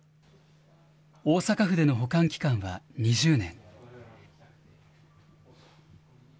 大阪府での保管期間は２０年。